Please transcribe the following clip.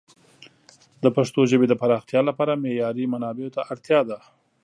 د پښتو ژبې د پراختیا لپاره معیاري منابعو ته اړتیا ده.